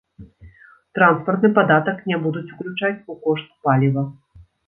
Транспартны падатак не будуць уключаць у кошт паліва.